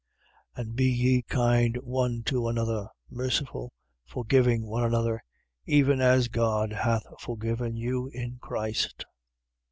4:32. And be ye kind one to another: merciful, forgiving one another, even as God hath forgiven you in Christ.